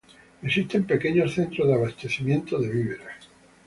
Existen pequeños centros de abastecimiento de víveres.